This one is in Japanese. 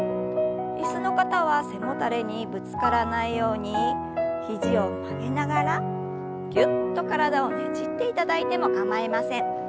椅子の方は背もたれにぶつからないように肘を曲げながらぎゅっと体をねじっていただいても構いません。